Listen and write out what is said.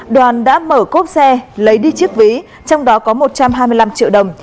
đoàn đã mở cốp xe lấy đi chiếc ví trong đó có một trăm hai mươi năm triệu đồng